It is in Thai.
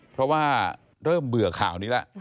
เพราะว่าเริ่มเบื่อข่าวนี้แล้ว